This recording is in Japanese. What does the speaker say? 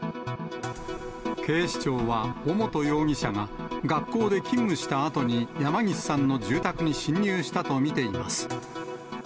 警視庁は、尾本容疑者が、学校で勤務したあとに山岸さんの住宅に侵入したと見ています。